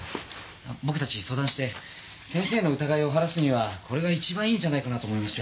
僕たち相談して先生の疑いを晴らすにはこれが一番いいんじゃないかな？と思いまして。